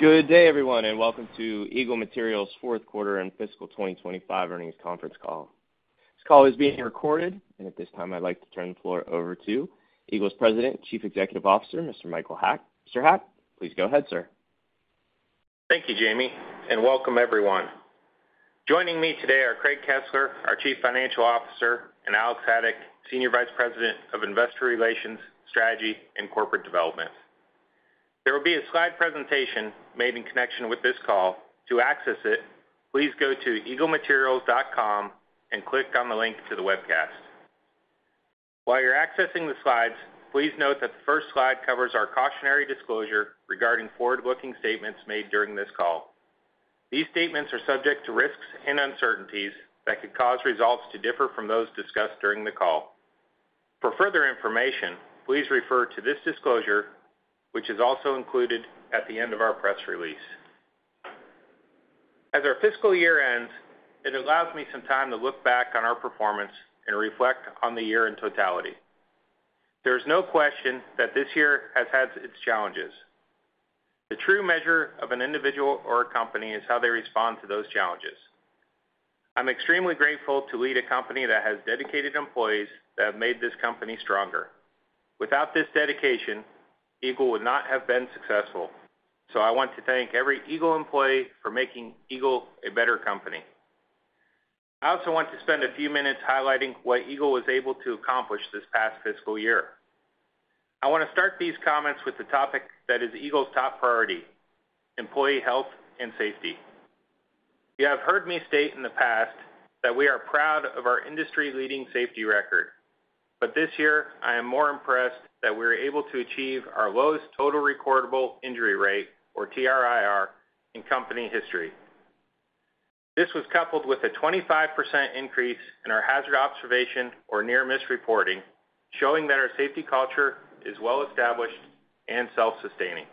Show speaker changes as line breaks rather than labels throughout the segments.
Good day, everyone, and welcome to Eagle Materials' fourth quarter and fiscal 2025 earnings conference call. This call is being recorded, and at this time, I'd like to turn the floor over to Eagle's President and Chief Executive Officer, Mr. Michael Haack. Mr. Haack, please go ahead, sir.
Thank you, Jamie, and welcome, everyone. Joining me today are Craig Kesler, our Chief Financial Officer, and Alex Haack, Senior Vice President of Investor Relations, Strategy, and Corporate Development. There will be a slide presentation made in connection with this call. To access it, please go to eaglematerials.com and click on the link to the webcast. While you're accessing the slides, please note that the first slide covers our cautionary disclosure regarding forward-looking statements made during this call. These statements are subject to risks and uncertainties that could cause results to differ from those discussed during the call. For further information, please refer to this disclosure, which is also included at the end of our press release. As our fiscal year ends, it allows me some time to look back on our performance and reflect on the year in totality. There is no question that this year has had its challenges. The true measure of an individual or a company is how they respond to those challenges. I'm extremely grateful to lead a company that has dedicated employees that have made this company stronger. Without this dedication, Eagle would not have been successful, so I want to thank every Eagle employee for making Eagle a better company. I also want to spend a few minutes highlighting what Eagle was able to accomplish this past fiscal year. I want to start these comments with the topic that is Eagle's top priority: employee health and safety. You have heard me state in the past that we are proud of our industry-leading safety record, but this year, I am more impressed that we are able to achieve our lowest Total Recordable Injury Rate, or TRIR, in company history. This was coupled with a 25% increase in our hazard observation, or near-miss reporting, showing that our safety culture is well-established and self-sustaining.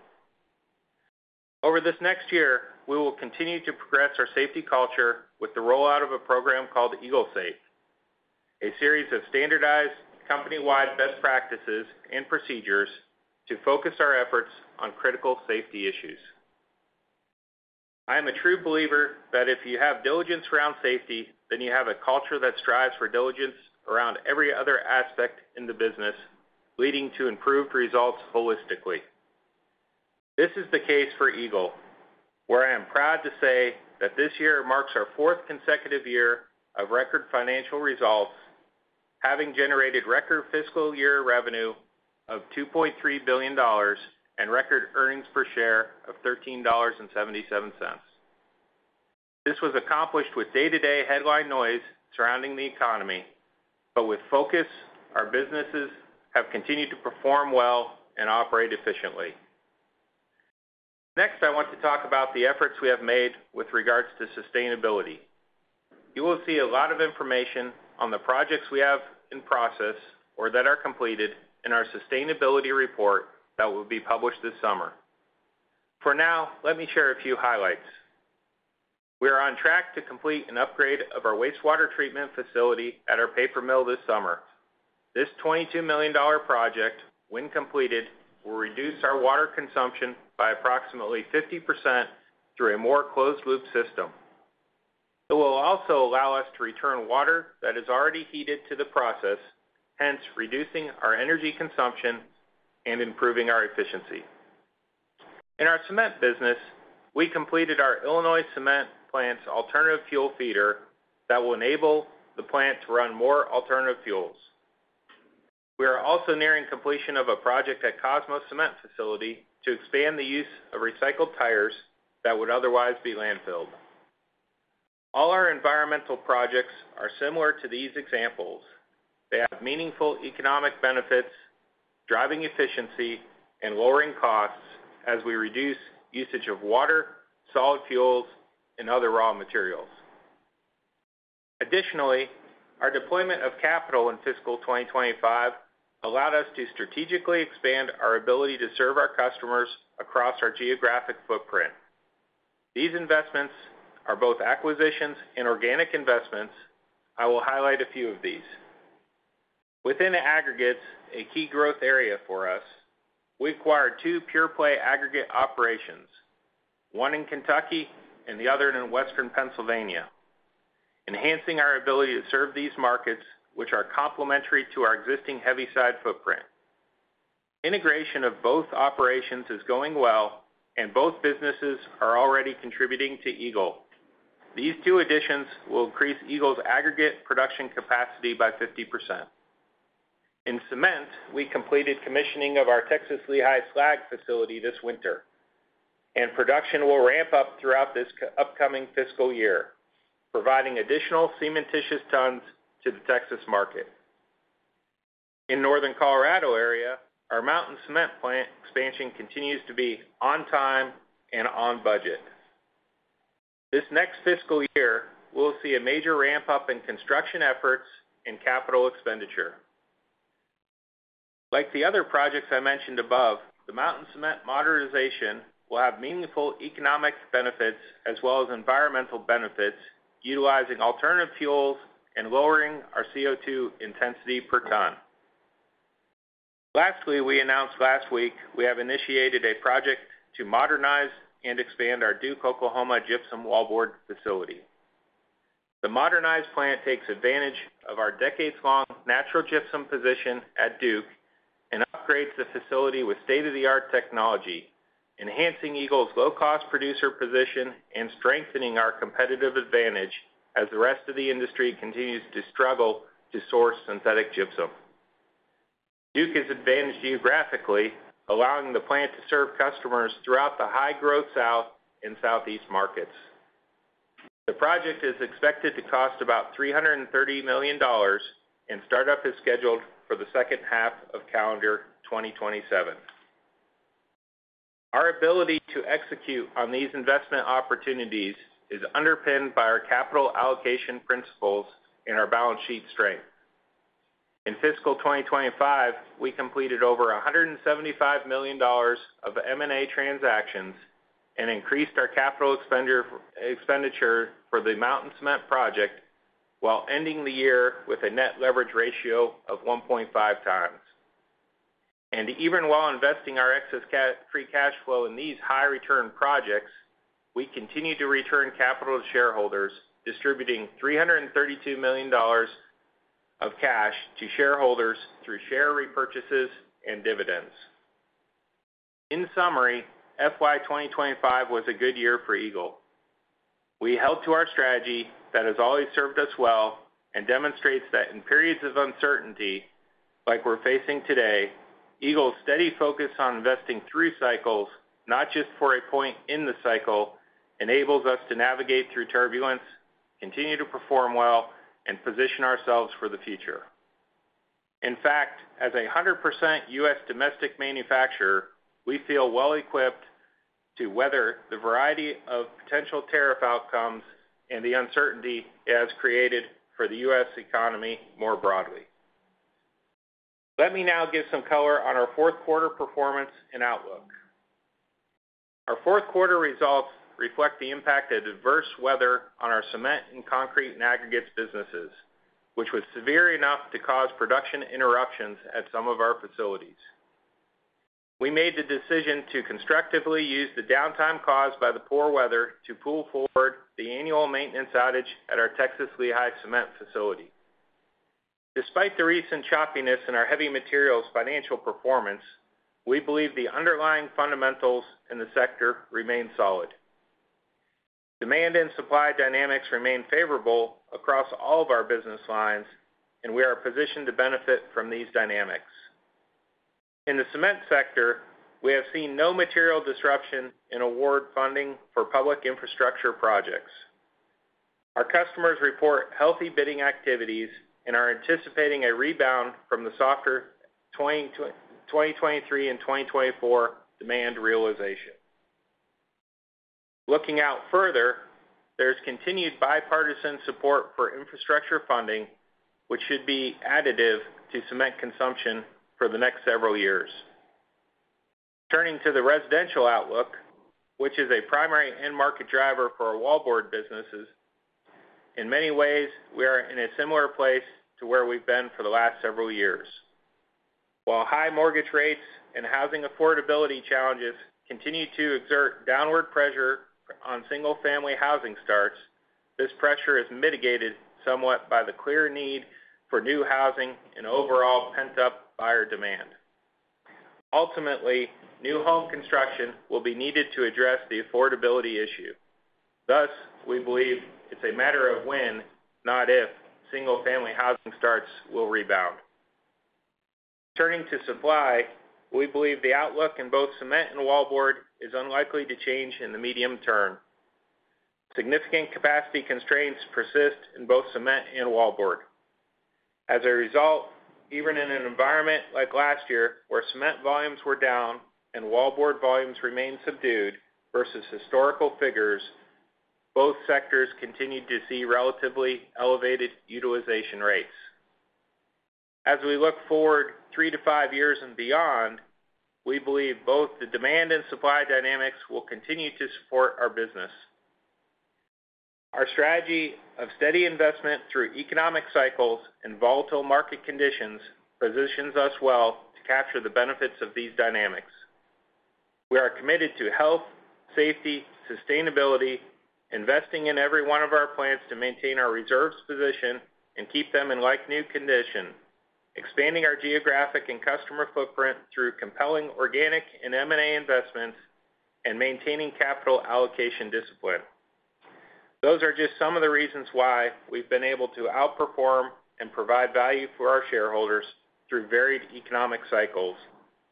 Over this next year, we will continue to progress our safety culture with the rollout of a program called EagleSafe, a series of standardized company-wide best practices and procedures to focus our efforts on critical safety issues. I am a true believer that if you have diligence around safety, then you have a culture that strives for diligence around every other aspect in the business, leading to improved results holistically. This is the case for Eagle, where I am proud to say that this year marks our fourth consecutive year of record financial results, having generated record fiscal year revenue of $2.3 billion and record earnings per share of $13.77. This was accomplished with day-to-day headline noise surrounding the economy, but with focus, our businesses have continued to perform well and operate efficiently. Next, I want to talk about the efforts we have made with regards to sustainability. You will see a lot of information on the projects we have in process or that are completed in our sustainability report that will be published this summer. For now, let me share a few highlights. We are on track to complete an upgrade of our wastewater treatment facility at our paper mill this summer. This $22 million project, when completed, will reduce our water consumption by approximately 50% through a more closed-loop system. It will also allow us to return water that is already heated to the process, hence reducing our energy consumption and improving our efficiency. In our Cement business, we completed our Illinois Cement plant's alternative fuel feeder that will enable the plant to run more alternative fuels. We are also nearing completion of a project at Cosmos Cement Facility to expand the use of recycled tires that would otherwise be landfilled. All our environmental projects are similar to these examples. They have meaningful economic benefits, driving efficiency, and lowering costs as we reduce usage of water, solid fuels, and other raw materials. Additionally, our deployment of capital in fiscal 2025 allowed us to strategically expand our ability to serve our customers across our geographic footprint. These investments are both acquisitions and organic investments. I will highlight a few of these. Within Aggregates, a key growth area for us, we've acquired two pure-play aggregate operations, one in Kentucky and the other in western Pennsylvania, enhancing our ability to serve these markets, which are complementary to our existing heavy-side footprint. Integration of both operations is going well, and both businesses are already contributing to Eagle. These two additions will increase Eagle's aggregate production capacity by 50%. In Cement, we completed commissioning of our Texas Lehigh Slag facility this winter, and production will ramp up throughout this upcoming fiscal year, providing additional Cementitious tons to the Texas market. In the northern Colorado area, our Mountain Cement plant expansion continues to be on time and on budget. This next fiscal year, we'll see a major ramp-up in construction efforts and capital expenditure. Like the other projects I mentioned above, the Mountain Cement modernization will have meaningful economic benefits as well as environmental benefits, utilizing alternative fuels and lowering our CO2 intensity per ton. Lastly, we announced last week we have initiated a project to modernize and expand our Duke, Oklahoma Gypsum Wallboard facility. The modernized plant takes advantage of our decades-long natural gypsum position at Duke and upgrades the facility with state-of-the-art technology, enhancing Eagle's low-cost producer position and strengthening our competitive advantage as the rest of the industry continues to struggle to source synthetic gypsum. Duke is advantaged geographically, allowing the plant to serve customers throughout the high-growth south and southeast markets. The project is expected to cost about $330 million, and startup is scheduled for the second half of calendar 2027. Our ability to execute on these investment opportunities is underpinned by our capital allocation principles and our balance sheet strength. In fiscal 2025, we completed over $175 million of M&A transactions and increased our capital expenditure for the Mountain Cement project while ending the year with a net leverage ratio of 1.5 times. Even while investing our excess free cash flow in these high-return projects, we continue to return capital to shareholders, distributing $332 million of cash to shareholders through share repurchases and dividends. In summary, FY 2025 was a good year for Eagle. We held to our strategy that has always served us well and demonstrates that in periods of uncertainty, like we're facing today, Eagle's steady focus on investing through cycles, not just for a point in the cycle, enables us to navigate through turbulence, continue to perform well, and position ourselves for the future. In fact, as a 100% U.S. domestic manufacturer, we feel well-equipped to weather the variety of potential tariff outcomes and the uncertainty it has created for the U.S. economy more broadly. Let me now give some color on our fourth quarter performance and outlook. Our fourth quarter results reflect the impact of adverse weather on our Cement and Concrete and Aggregates businesses, which was severe enough to cause production interruptions at some of our facilities. We made the decision to constructively use the downtime caused by the poor weather to pull forward the annual maintenance outage at our Texas Lehigh Cement facility. Despite the recent choppiness in our heavy materials' financial performance, we believe the underlying fundamentals in the sector remain solid. Demand and supply dynamics remain favorable across all of our business lines, and we are positioned to benefit from these dynamics. In the Cement sector, we have seen no material disruption in award funding for public infrastructure projects. Our customers report healthy bidding activities, and are anticipating a rebound from the softer 2023 and 2024 demand realization. Looking out further, there is continued bipartisan support for infrastructure funding, which should be additive to Cement consumption for the next several years. Turning to the residential outlook, which is a primary end market driver for our Wallboard businesses, in many ways, we are in a similar place to where we have been for the last several years. While high mortgage rates and housing affordability challenges continue to exert downward pressure on single-family housing starts, this pressure is mitigated somewhat by the clear need for new housing and overall pent-up buyer demand. Ultimately, new home construction will be needed to address the affordability issue. Thus, we believe it's a matter of when, not if, single-family housing starts will rebound. Turning to supply, we believe the outlook in both Cement and Wallboard is unlikely to change in the medium term. Significant capacity constraints persist in both Cement and Wallboard. As a result, even in an environment like last year, where Cement volumes were down and Wallboard volumes remained subdued versus historical figures, both sectors continued to see relatively elevated utilization rates. As we look forward three to five years and beyond, we believe both the demand and supply dynamics will continue to support our business. Our strategy of steady investment through economic cycles and volatile market conditions positions us well to capture the benefits of these dynamics. We are committed to health, safety, sustainability, investing in every one of our plants to maintain our reserves position and keep them in like-new condition, expanding our geographic and customer footprint through compelling organic and M&A investments, and maintaining capital allocation discipline. Those are just some of the reasons why we've been able to outperform and provide value for our shareholders through varied economic cycles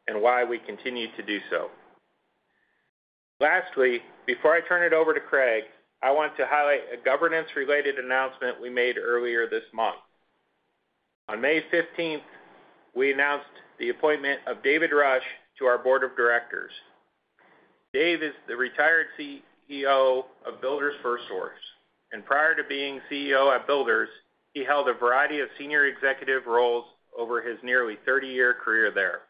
and why we continue to do so. Lastly, before I turn it over to Craig, I want to highlight a governance-related announCement we made earlier this month. On May 15th, we announced the appointment of David Rush to our board of directors. Dave is the retired CEO of Builders FirstSource, and prior to being CEO at Builders, he held a variety of senior executive roles over his nearly 30-year career there.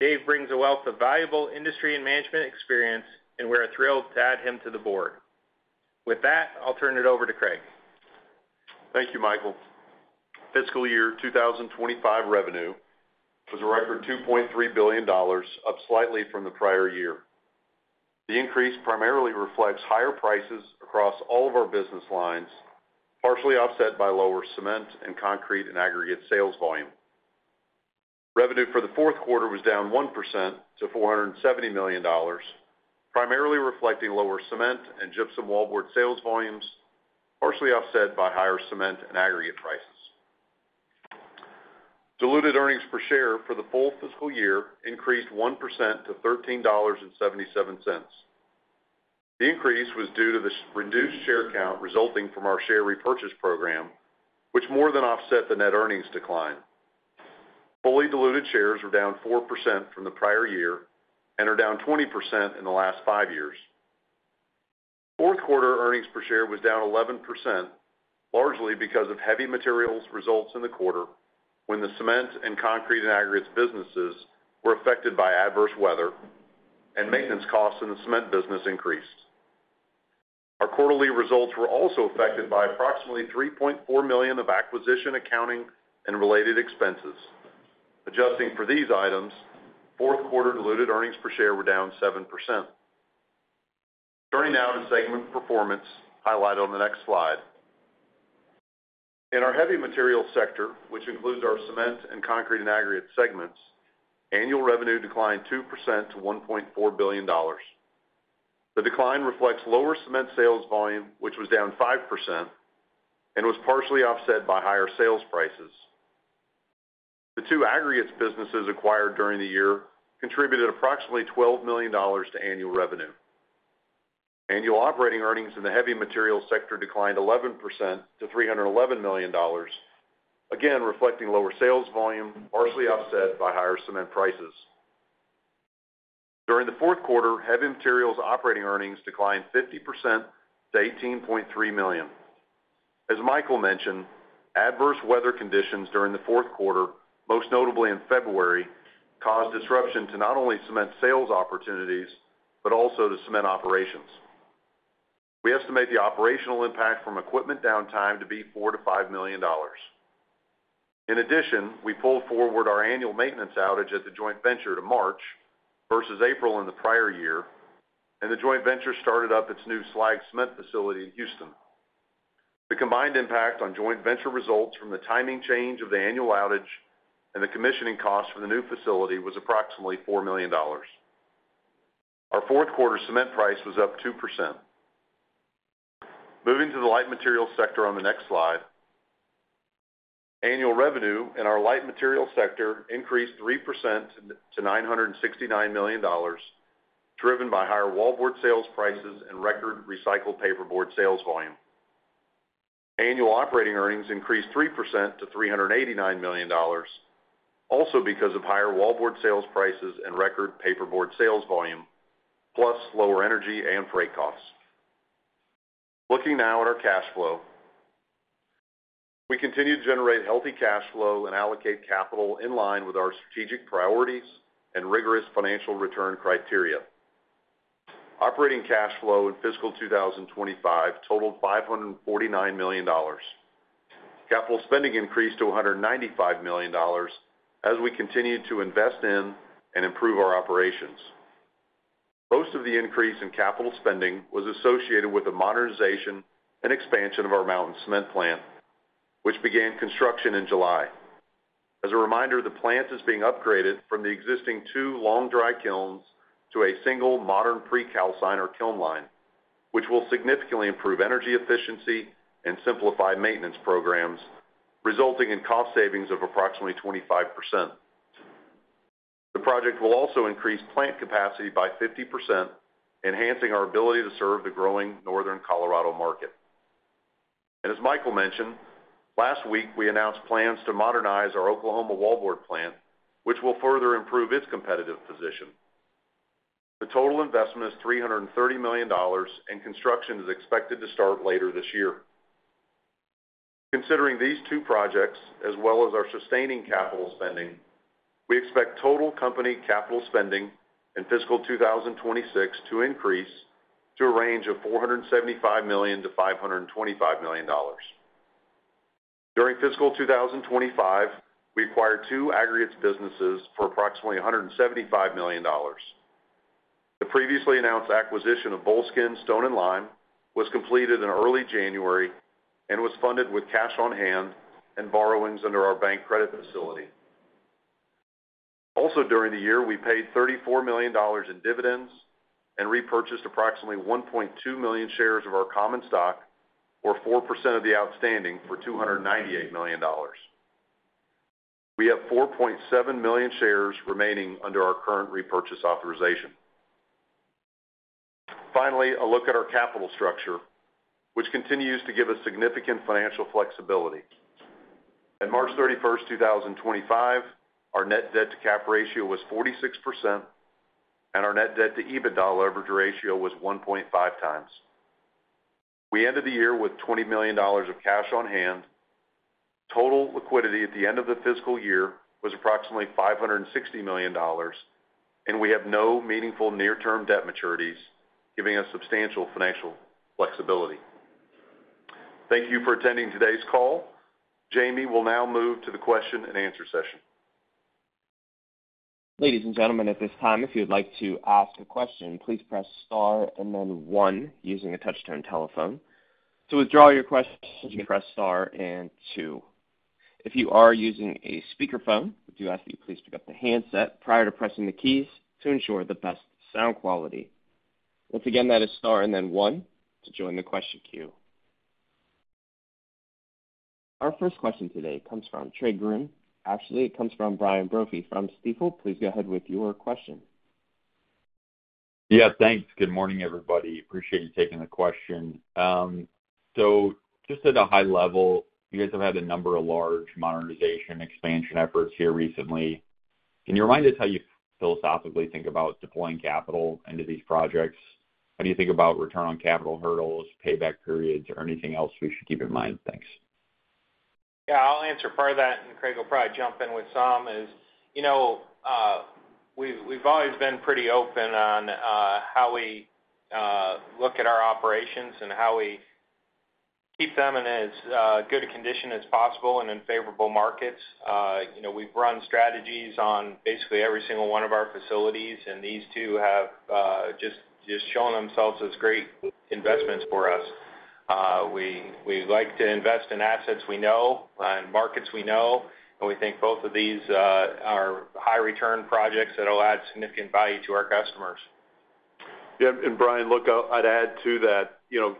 Dave brings a wealth of valuable industry and management experience, and we are thrilled to add him to the board. With that, I'll turn it over to Craig.
Thank you, Michael. Fiscal year 2025 revenue was a record $2.3 billion, up slightly from the prior year. The increase primarily reflects higher prices across all of our business lines, partially offset by lower Cement and Concrete and aggregate sales volume. Revenue for the fourth quarter was down 1% to $470 million, primarily reflecting lower Cement and Gypsum Wallboard sales volumes, partially offset by higher Cement and aggregate prices. Diluted earnings per share for the full fiscal year increased 1% to $13.77. The increase was due to the reduced share count resulting from our share repurchase program, which more than offset the net earnings decline. Fully diluted shares were down 4% from the prior year and are down 20% in the last five years. Fourth quarter earnings per share was down 11%, largely because of heavy materials results in the quarter when the Cement and Concrete and Aggregates businesses were affected by adverse weather and maintenance costs in the Cement business increased. Our quarterly results were also affected by approximately $3.4 million of acquisition accounting and related expenses. Adjusting for these items, fourth quarter diluted earnings per share were down 7%. Turning now to segment performance, highlighted on the next slide. In our heavy materials sector, which includes our Cement and Concrete and Aggregates segments, annual revenue declined 2% to $1.4 billion. The decline reflects lower Cement sales volume, which was down 5% and was partially offset by higher sales prices. The two Aggregates businesses acquired during the year contributed approximately $12 million to annual revenue. Annual operating earnings in the heavy materials sector declined 11% to $311 million, again reflecting lower sales volume, partially offset by higher Cement prices. During the fourth quarter, heavy materials operating earnings declined 50% to $18.3 million. As Michael mentioned, adverse weather conditions during the fourth quarter, most notably in February, caused disruption to not only Cement sales opportunities but also to Cement operations. We estimate the operational impact from equipment downtime to be $4-$5 million. In addition, we pulled forward our annual maintenance outage at the joint venture to March versus April in the prior year, and the joint venture started up its new Slag Cement facility in Houston. The combined impact on joint venture results from the timing change of the annual outage and the commissioning cost for the new facility was approximately $4 million. Our fourth quarter Cement price was up 2%. Moving to the light materials sector on the next slide, annual revenue in our light materials sector increased 3% to $969 million, driven by higher Wallboard sales prices and record Recycled Paperboard sales volume. Annual operating earnings increased 3% to $389 million, also because of higher Wallboard sales prices and record paperboard sales volume, plus lower energy and freight costs. Looking now at our cash flow, we continue to generate healthy cash flow and allocate capital in line with our strategic priorities and rigorous financial return criteria. Operating cash flow in fiscal 2025 totaled $549 million. Capital spending increased to $195 million as we continue to invest in and improve our operations. Most of the increase in capital spending was associated with the modernization and expansion of our Mountain Cement plant, which began construction in July. As a reminder, the plant is being upgraded from the existing two long dry kilns to a single modern pre-calciner kiln line, which will significantly improve energy efficiency and simplify maintenance programs, resulting in cost savings of approximately 25%. The project will also increase plant capacity by 50%, enhancing our ability to serve the growing Northern Colorado market. As Michael mentioned, last week we announced plans to modernize our Oklahoma Wallboard plant, which will further improve its competitive position. The total investment is $330 million, and construction is expected to start later this year. Considering these two projects, as well as our sustaining capital spending, we expect total company capital spending in fiscal 2026 to increase to a range of $475 million-$525 million. During fiscal 2025, we acquired two Aggregates businesses for approximately $175 million. The previously announced acquisition of Bullskin Stone & Lime was completed in early January and was funded with cash on hand and borrowings under our bank credit facility. Also during the year, we paid $34 million in dividends and repurchased approximately 1.2 million shares of our common stock, or 4% of the outstanding, for $298 million. We have 4.7 million shares remaining under our current repurchase authorization. Finally, a look at our capital structure, which continues to give us significant financial flexibility. On March 31st, 2025, our net debt to cap ratio was 46%, and our net debt to EBITDA leverage ratio was 1.5 times. We ended the year with $20 million of cash on hand. Total liquidity at the end of the fiscal year was approximately $560 million, and we have no meaningful near-term debt maturities, giving us substantial financial flexibility. Thank you for attending today's call. Jamie will now move to the question and answer session.
Ladies and gentlemen, at this time, if you'd like to ask a question, please press star and then one using a touch-tone telephone. To withdraw your question, press star and two. If you are using a speakerphone, we do ask that you please pick up the handset prior to pressing the keys to ensure the best sound quality. Once again, that is star and then one to join the question queue. Our first question today comes from Trey Groom. Actually, it comes from Brian Brophy from Stifel. Please go ahead with your question.
Yeah, thanks. Good morning, everybody. Appreciate you taking the question. Just at a high level, you guys have had a number of large modernization expansion efforts here recently. Can you remind us how you philosophically think about deploying capital into these projects? How do you think about return on capital hurdles, payback periods, or anything else we should keep in mind? Thanks.
Yeah, I'll answer part of that, and Craig will probably jump in with some. We've always been pretty open on how we look at our operations and how we keep them in as good a condition as possible and in favorable markets. We've run strategies on basically every single one of our facilities, and these two have just shown themselves as great investments for us. We like to invest in assets we know and markets we know, and we think both of these are high-return projects that will add significant value to our customers.
Yeah, and Brian, look, I'd add to that.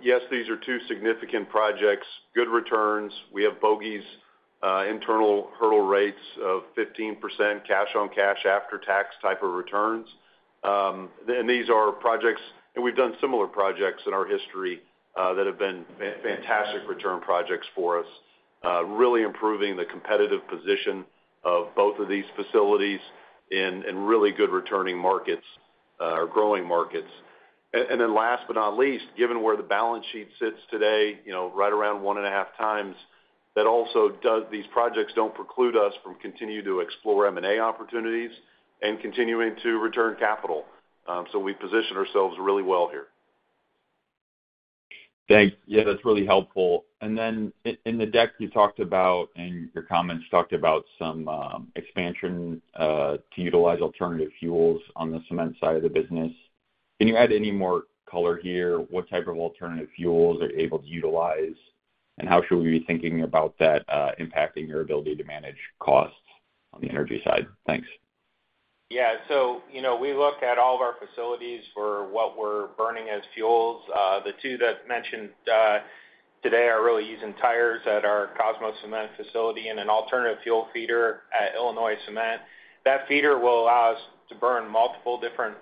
Yes, these are two significant projects, good returns. We have bogey's internal hurdle rates of 15% cash on cash after-tax type of returns. And these are projects, and we've done similar projects in our history that have been fantastic return projects for us, really improving the competitive position of both of these facilities in really good returning markets or growing markets. Last but not least, given where the balance sheet sits today, right around one and a half times, that also these projects don't preclude us from continuing to explore M&A opportunities and continuing to return capital. We position ourselves really well here.
Thanks. Yeah, that's really helpful. In the deck, you talked about, and your comments talked about some expansion to utilize alternative fuels on the Cement side of the business. Can you add any more color here? What type of alternative fuels are you able to utilize, and how should we be thinking about that impacting your ability to manage costs on the energy side? Thanks.
Yeah, so we look at all of our facilities for what we're burning as fuels. The two that I mentioned today are really using tires at our Cosmos Cement facility and an alternative fuel feeder at Illinois Cement. That feeder will allow us to burn multiple different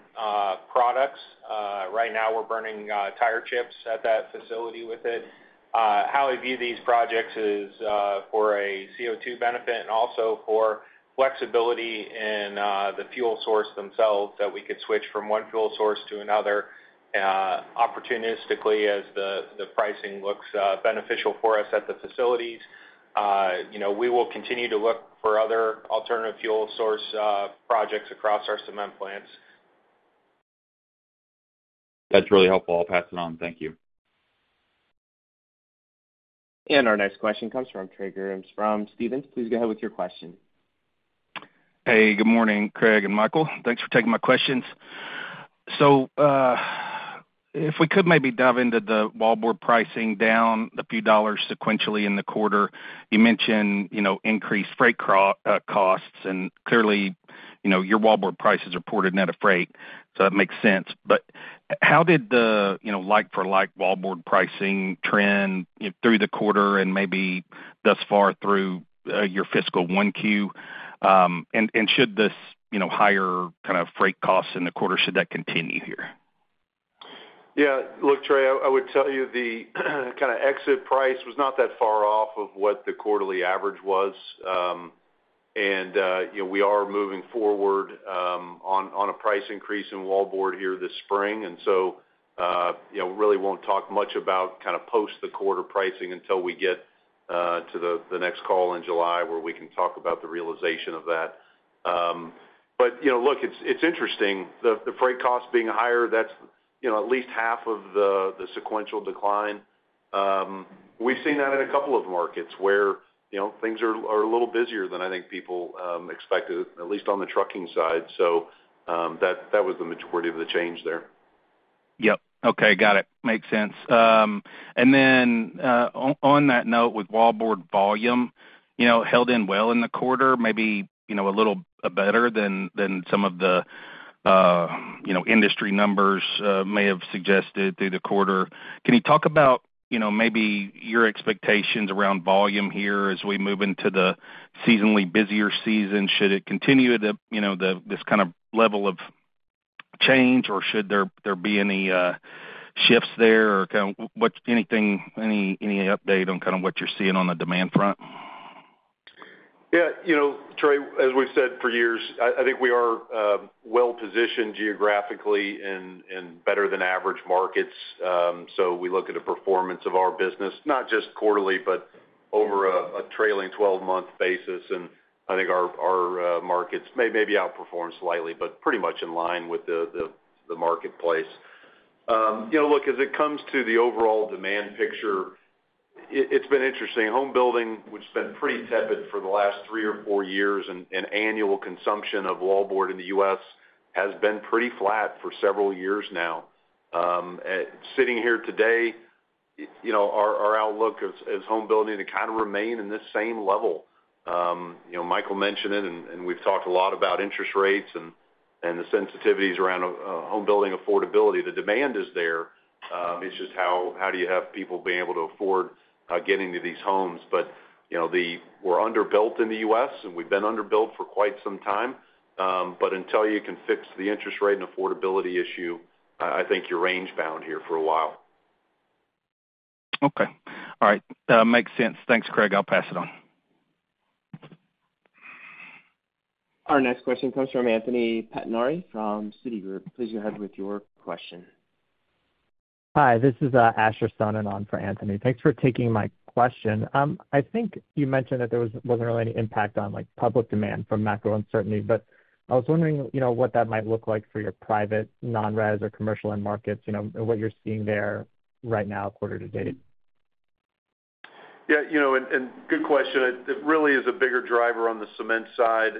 products. Right now, we're burning tire chips at that facility with it. How we view these projects is for a CO2 benefit and also for flexibility in the fuel source themselves that we could switch from one fuel source to another opportunistically as the pricing looks beneficial for us at the facilities. We will continue to look for other alternative fuel source projects across our Cement plants.
That's really helpful. I'll pass it on. Thank you.
Our next question comes from Trey Groom from Stephens. Please go ahead with your question.
Hey, good morning, Craig and Michael. Thanks for taking my questions. If we could maybe dive into the Wallboard pricing down a few dollars sequentially in the quarter, you mentioned increased freight costs, and clearly your Wallboard prices are reported net of freight, so that makes sense. How did the like-for-like Wallboard pricing trend through the quarter and maybe thus far through your fiscal 1Q? Should this higher kind of freight costs in the quarter, should that continue here?
Yeah, look, Craig, I would tell you the kind of exit price was not that far off of what the quarterly average was. We are moving forward on a price increase in Wallboard here this spring. We really will not talk much about kind of post the quarter pricing until we get to the next call in July where we can talk about the realization of that. Look, it is interesting. The freight costs being higher, that is at least half of the sequential decline. We have seen that in a couple of markets where things are a little busier than I think people expected, at least on the trucking side. That was the majority of the change there.
Yep. Okay, got it. Makes sense. On that note with Wallboard volume, held in well in the quarter, maybe a little better than some of the industry numbers may have suggested through the quarter. Can you talk about maybe your expectations around volume here as we move into the seasonally busier season? Should it continue at this kind of level of change, or should there be any shifts there? Or anything, any update on kind of what you're seeing on the demand front?
Yeah, Craig, as we've said for years, I think we are well-positioned geographically in better-than-average markets. We look at the performance of our business, not just quarterly, but over a trailing 12-month basis. I think our markets may be outperformed slightly, but pretty much in line with the marketplace. Look, as it comes to the overall demand picture, it's been interesting. Home building has been pretty tepid for the last three or four years, and annual consumption of Wallboard in the U.S. has been pretty flat for several years now. Sitting here today, our outlook is home building to kind of remain in this same level. Michael mentioned it, and we've talked a lot about interest rates and the sensitivities around home building affordability. The demand is there. It's just how do you have people being able to afford getting to these homes? We're underbuilt in the U.S., and we've been underbuilt for quite some time. Until you can fix the interest rate and affordability issue, I think you're range-bound here for a while.
Okay. All right. Makes sense. Thanks, Craig. I'll pass it on.
Our next question comes from Anthony Pettenari from Citigroup. Please go ahead with your question.
Hi, this is Asher Sohnen on for Anthony. Thanks for taking my question.I think you mentioned that there was not really any impact on public demand from macro uncertainty, but I was wondering what that might look like for your private non-res or commercial end markets and what you are seeing there right now quarter to date.
Yeah, good question. It really is a bigger driver on the Cement side.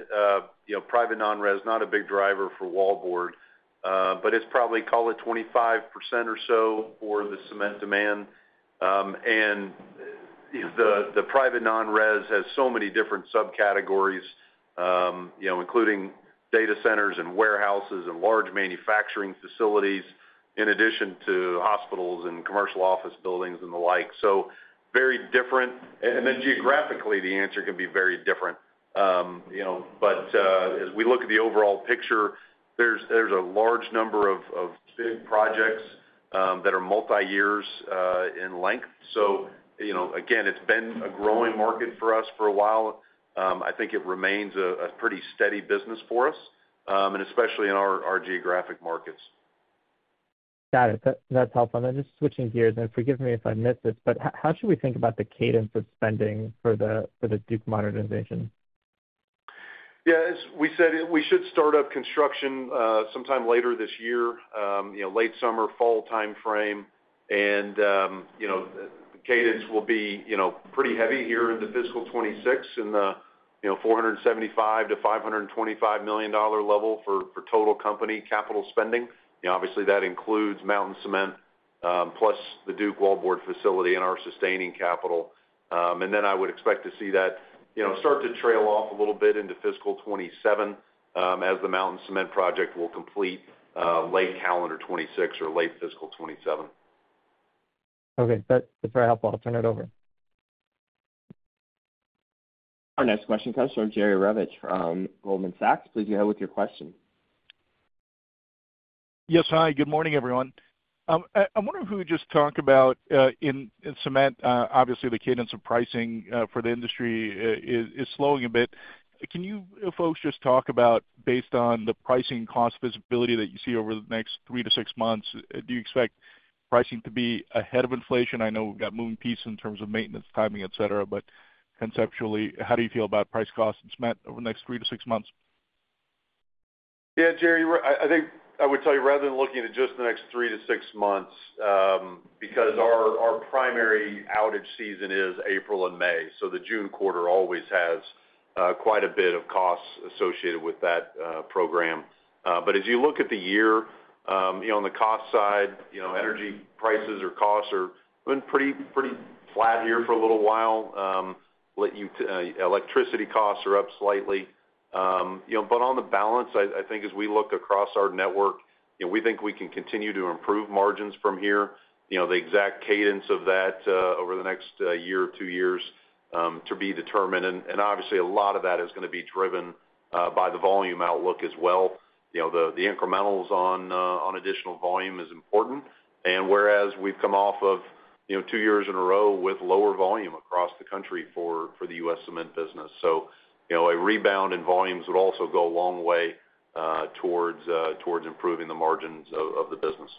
Private non-res is not a big driver for Wallboard, but it is probably called a 25% or so for the Cement demand. The private non-res has so many different subcategories, including data centers and warehouses and large manufacturing facilities, in addition to hospitals and commercial office buildings and the like. Very different. Geographically, the answer can be very different. As we look at the overall picture, there is a large number of big projects that are multi-years in length. Again, it's been a growing market for us for a while. I think it remains a pretty steady business for us, and especially in our geographic markets.
Got it. That's helpful. Just switching gears, and forgive me if I missed this, but how should we think about the cadence of spending for the Duke modernization?
Yeah, as we said, we should start up construction sometime later this year, late summer, fall timeframe. The cadence will be pretty heavy here in fiscal 2026, in the $475 million-$525 million level for total company capital spending. Obviously, that includes Mountain Cement plus the Duke Wallboard facility and our sustaining capital. I would expect to see that start to trail off a little bit into fiscal 2027 as the Mountain Cement project will complete late calendar 2026 or late fiscal 2027.
Okay. That's very helpful.
I'll turn it over. Our next question comes from Jerry Revich from Goldman Sachs. Please go ahead with your question.
Yes, hi. Good morning, everyone. I'm wondering if we would just talk about in Cement, obviously, the cadence of pricing for the industry is slowing a bit. Can you folks just talk about, based on the pricing cost visibility that you see over the next three to six months, do you expect pricing to be ahead of inflation? I know we've got moving pieces in terms of maintenance timing, etc., but conceptually, how do you feel about price costs in Cement over the next three to six months?
Yeah, Jerry, I think I would tell you rather than looking at just the next three to six months because our primary outage season is April and May.The June quarter always has quite a bit of costs associated with that program. As you look at the year on the cost side, energy prices or costs have been pretty flat here for a little while. Electricity costs are up slightly. On the balance, I think as we look across our network, we think we can continue to improve margins from here. The exact cadence of that over the next year or two years is to be determined. Obviously, a lot of that is going to be driven by the volume outlook as well. The incrementals on additional volume is important. Whereas we have come off of two years in a row with lower volume across the country for the U.S. Cement business, a rebound in volumes would also go a long way towards improving the margins of the business.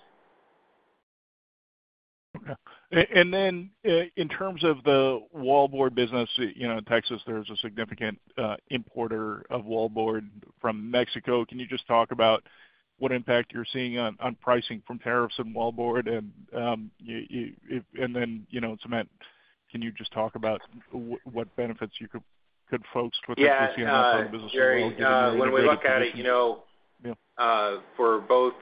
Okay.In terms of the Wallboard business, Texas, there's a significant importer of Wallboard from Mexico. Can you just talk about what impact you're seeing on pricing from tariffs on Wallboard? In Cement, can you just talk about what benefits you could focus with focusing on from the business?
Yeah, Jerry, when we look at it for both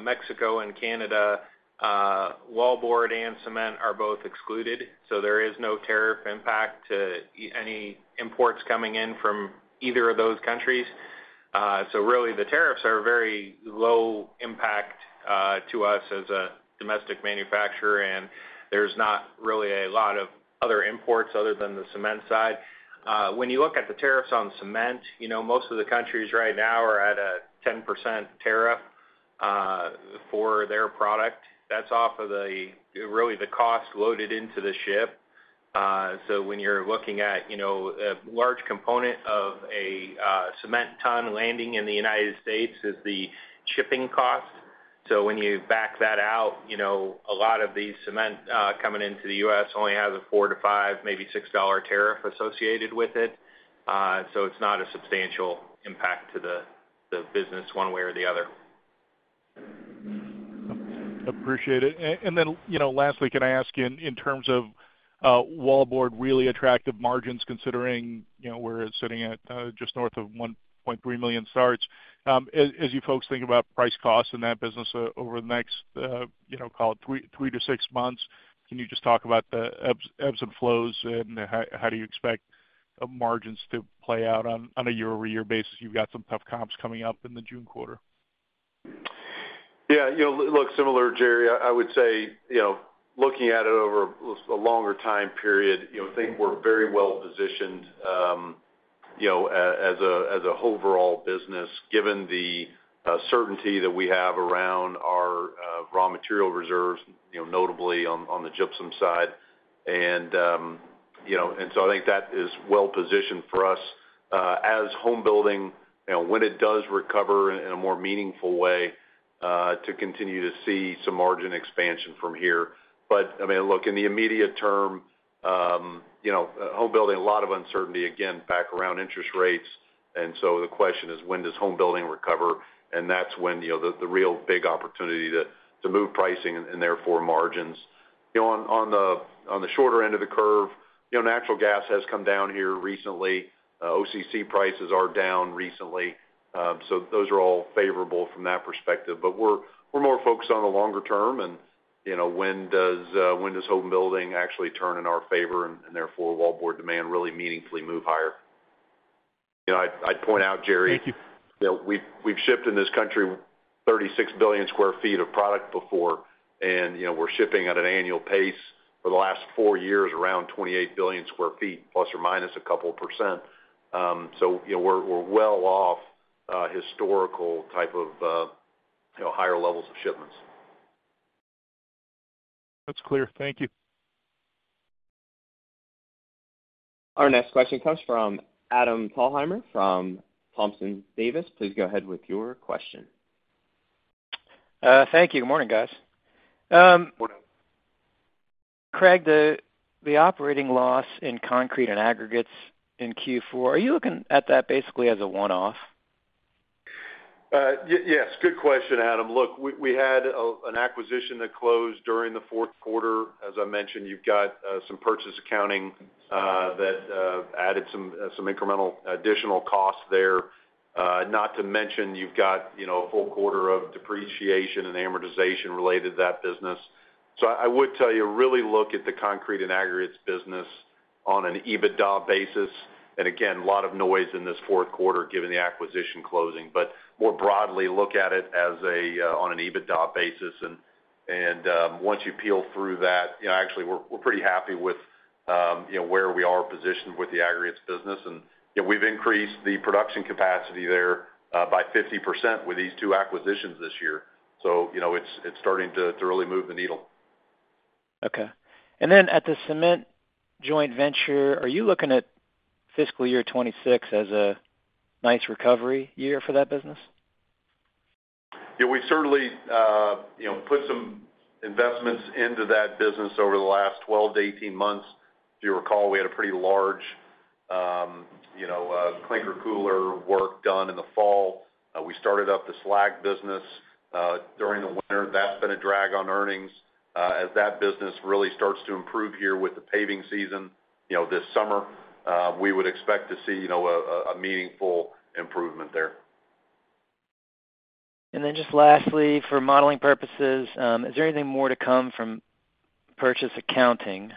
Mexico and Canada, Wallboard and Cement are both excluded. There is no tariff impact to any imports coming in from either of those countries. The tariffs are very low impact to us as a domestic manufacturer, and there's not really a lot of other imports other than the Cement side. When you look at the tariffs on Cement, most of the countries right now are at a 10% tariff for their product. That's off of really the cost loaded into the ship. When you're looking at a large component of a Cement ton landing in the U.S. is the shipping cost. When you back that out, a lot of these Cement coming into the U.S. only has a $4-$5, maybe $6 tariff associated with it. It's not a substantial impact to the business one way or the other.
Appreciate it. Lastly, can I ask in terms of Wallboard, really attractive margins considering where it's sitting at just north of 1.3 million stats? As you folks think about price costs in that business over the next, call it, three to six months, can you just talk about the ebbs and flows and how you expect margins to play out on a year-over-year basis? You've got some tough comps coming up in the June quarter.
Yeah. Look, similar, Jerry, I would say looking at it over a longer time period, I think we're very well positioned as an overall business given the certainty that we have around our raw material reserves, notably on the gypsum side. I think that is well positioned for us as home building, when it does recover in a more meaningful way, to continue to see some margin expansion from here. I mean, in the immediate term, home building, a lot of uncertainty, again, back around interest rates. The question is, when does home building recover? That's when the real big opportunity to move pricing and therefore margins. On the shorter end of the curve, natural gas has come down here recently. OCC prices are down recently. Those are all favorable from that perspective. We're more focused on the longer term. When does home building actually turn in our favor and therefore Wallboard demand really meaningfully move higher? I'd point out, Jerry, we've shipped in this country 36 billion sq ft of product before. We're shipping at an annual pace for the last four years around 28 billion sq ft, plus or minus a couple %. We're well off historical type of higher levels of shipments.
That's clear. Thank you.
Our next question comes from Adam Thalhimer from Thompson Davis. Please go ahead with your question.
Thank you. Good morning, guys. Good morning. Craig, the operating loss in Concrete and Aggregates in Q4, are you looking at that basically as a one-off?
Yes. Good question, Adam. Look, we had an acquisition that closed during the fourth quarter. As I mentioned, you've got some purchase accounting that added some incremental additional costs there. Not to mention, you've got a full quarter of depreciation and amortization related to that business. I would tell you, really look at the Concrete and Aggregates business on an EBITDA basis. Again, a lot of noise in this fourth quarter given the acquisition closing. More broadly, look at it on an EBITDA basis. Once you peel through that, actually, we're pretty happy with where we are positioned with the Aggregates business. We've increased the production capacity there by 50% with these two acquisitions this year. It is starting to really move the needle.
Okay. At the Cement joint venture, are you looking at fiscal year 2026 as a nice recovery year for that business?
Yeah, we've certainly put some investments into that business over the last 12 to 18 months. If you recall, we had a pretty large clinker cooler work done in the fall. We started up the Slag business during the winter. That's been a drag on earnings. As that business really starts to improve here with the paving season this summer, we would expect to see a meaningful improvement there.
Just lastly, for modeling purposes, is there anything more to come from purchase accounting?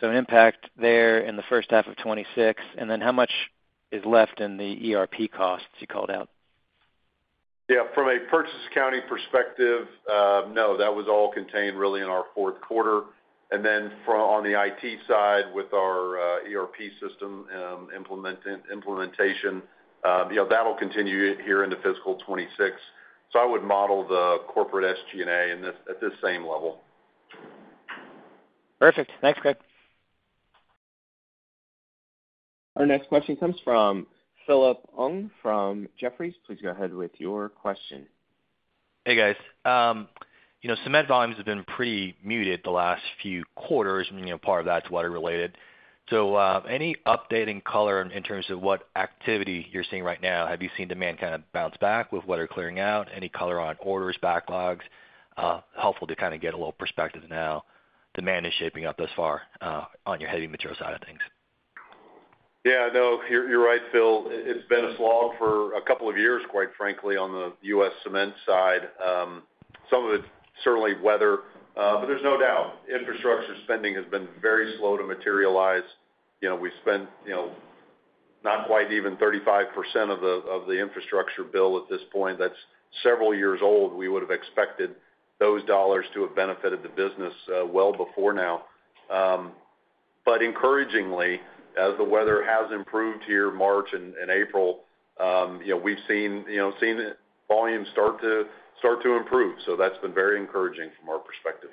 So impact there in the first half of 2026. How much is left in the ERP costs you called out?
Yeah, from a purchase accounting perspective, no. That was all contained really in our fourth quarter. On the IT side with our ERP system implementation, that'll continue here into fiscal 2026. I would model the corporate SG&A at this same level.
Perfect. Thanks, Craig.
Our next question comes from Philip Ng from Jefferies.Please go ahead with your question.
Hey, guys. Cement volumes have been pretty muted the last few quarters. Part of that's weather-related. So any updating color in terms of what activity you're seeing right now? Have you seen demand kind of bounce back with weather clearing out? Any color on orders, backlogs? Helpful to kind of get a little perspective now. Demand is shaping up thus far on your heavy material side of things.
Yeah, no, you're right, Phil. It's been a slog for a couple of years, quite frankly, on the U.S. Cement side. Some of it's certainly weather. There's no doubt infrastructure spending has been very slow to materialize. We've spent not quite even 35% of the infrastructure bill at this point. That's several years old. We would have expected those dollars to have benefited the business well before now. But encouragingly, as the weather has improved here March and April, we've seen volumes start to improve. So that's been very encouraging from our perspective.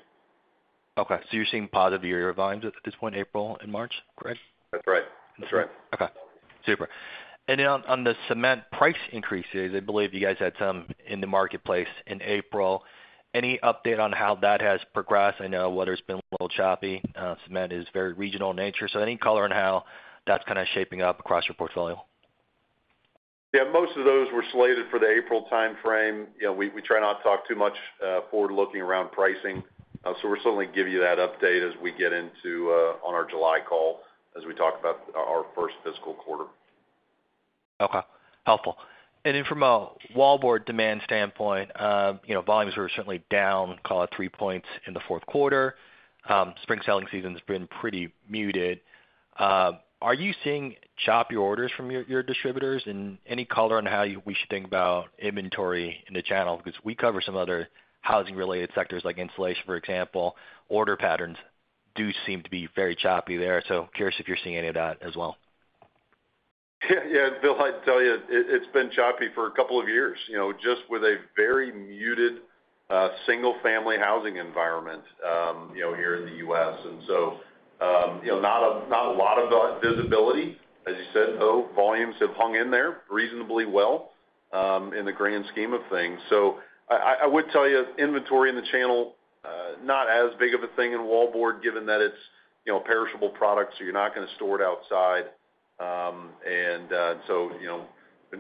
Okay. So you're seeing positive year-over-year volumes at this point, April and March, Craig?
That's right.
That's right. Okay. Super. And then on the Cement price increases, I believe you guys had some in the marketplace in April. Any update on how that has progressed? I know weather's been a little choppy. Cement is very regional in nature. So any color on how that's kind of shaping up across your portfolio?
Yeah, most of those were slated for the April timeframe. We try not to talk too much forward-looking around pricing. So we'll certainly give you that update as we get into on our July call as we talk about our first fiscal quarter.
Okay. Helpful.Then from a Wallboard demand standpoint, volumes were certainly down, call it three points in the fourth quarter. Spring selling season's been pretty muted. Are you seeing choppier orders from your distributors? Any color on how we should think about inventory in the channel? Because we cover some other housing-related sectors like insulation, for example. Order patterns do seem to be very choppy there. Curious if you're seeing any of that as well.
Yeah. Philip, I'd tell you it's been choppy for a couple of years just with a very muted single-family housing environment here in the U.S. Not a lot of visibility. As you said, though, volumes have hung in there reasonably well in the grand scheme of things.I would tell you inventory in the channel, not as big of a thing in Wallboard given that it's perishable products, so you're not going to store it outside.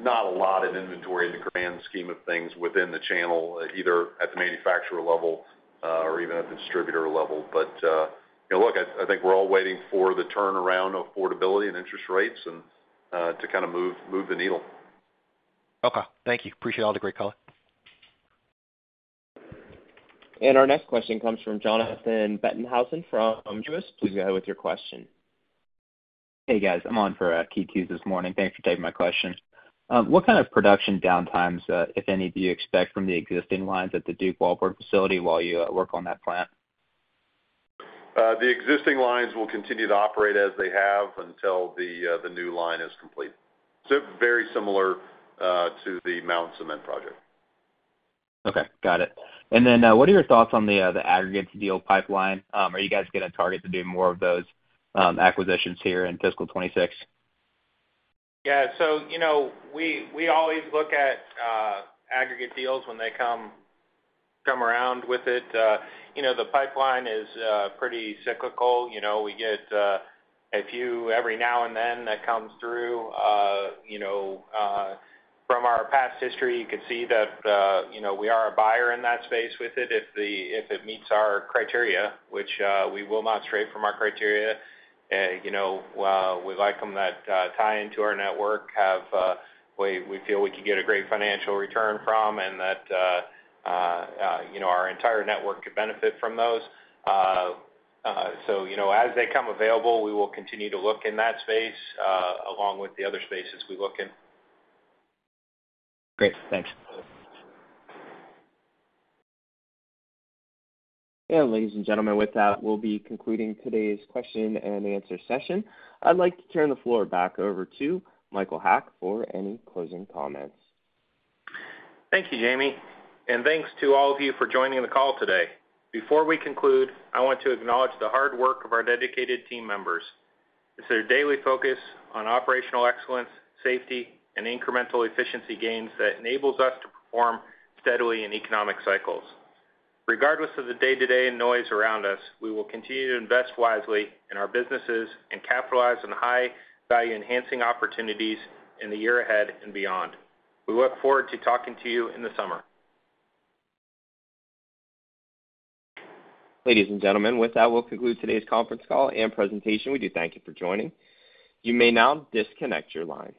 Not a lot of inventory in the grand scheme of things within the channel, either at the manufacturer level or even at the distributor level. I think we're all waiting for the turnaround of affordability and interest rates to kind of move the needle.
Okay. Thank you. Appreciate all the great color.
Our next question comes from Jonathan Bettenhausen from Truist. Please go ahead with your question.
Hey, guys. I'm on for a key Qs this morning. Thanks for taking my question. What kind of production downtimes, if any, do you expect from the existing lines at the Duke Wallboard facility while you work on that plant?
The existing lines will continue to operate as they have until the new line is complete. Very similar to the Mountain Cement project.
Okay. Got it. What are your thoughts on the aggregate deal pipeline? Are you guys going to target to do more of those acquisitions here in fiscal 2026?
Yeah. We always look at aggregate deals when they come around. The pipeline is pretty cyclical. We get a few every now and then that come through. From our past history, you could see that we are a buyer in that space if it meets our criteria, which we will not stray from. We like them that tie into our network, that we feel we could get a great financial return from, and that our entire network could benefit from those. As they come available, we will continue to look in that space along with the other spaces we look in.
Great. Thanks.
Ladies and gentlemen, with that, we'll be concluding today's question and answer session. I'd like to turn the floor back over to Michael Haack for any closing comments.
Thank you, Jamie. Thanks to all of you for joining the call today. Before we conclude, I want to acknowledge the hard work of our dedicated team members. It's their daily focus on operational excellence, safety, and incremental efficiency gains that enables us to perform steadily in economic cycles. Regardless of the day-to-day noise around us, we will continue to invest wisely in our businesses and capitalize on high-value enhancing opportunities in the year ahead and beyond. We look forward to talking to you in the summer.
Ladies and gentlemen, with that, we'll conclude today's conference call and presentation. We do thank you for joining. You may now disconnect your line.